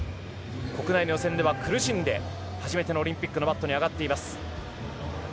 国内の予選では苦しんで初めてのオリンピックのマットに上がっています。